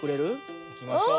はい。いきましょう。